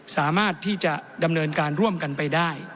สามารถที่จะดำเนินการร่วมกันไปได้